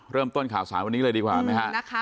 เริ่มต้นข่าวสารวันนี้เลยดีกว่าไหมฮะนะคะ